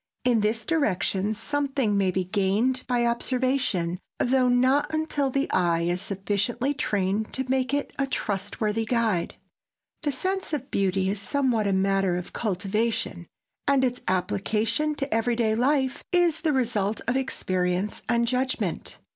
In this direction something may be gained by observation, though not until the eye is sufficiently trained to make it a trustworthy guide. The sense of beauty is somewhat a matter of cultivation, and its application to every day life is the result of experience and judgment.